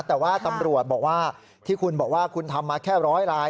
แต่ว่าตำรวจบอกว่าที่คุณบอกว่าคุณทำมาแค่ร้อยราย